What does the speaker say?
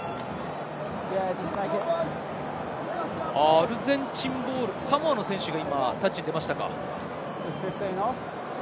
アルゼンチンボール、サモアの選手がタッチに出ましたか。